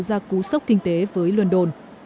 ra cú sốc kinh tế với london